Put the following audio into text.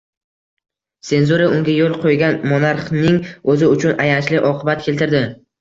Senzura unga yo‘l qo‘ygan monarxning o‘zi uchun ayanchli oqibat keltirdi.